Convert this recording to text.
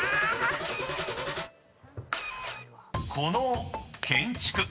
［この建築］